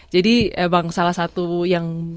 emang salah satu yang